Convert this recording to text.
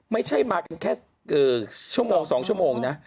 ไม่ใช่มากันแค่ชั่วโมง๒ชั่วโมงนะ